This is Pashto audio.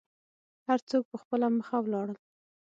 هر څوک په خپله مخه ولاړل.